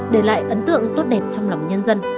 để lại ấn tượng tốt đẹp trong lòng nhân dân